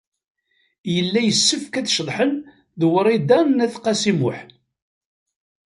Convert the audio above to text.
Yella yessefk ad ceḍḥen ed Wrida n At Qasi Muḥ.